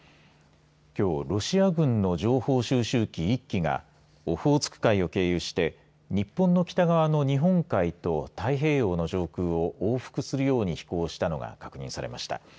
きょうロシア軍の情報収集機１機がオホーツク海を経由して日本の北側の日本海と太平洋の上空を往復するように飛行したのが確認されました。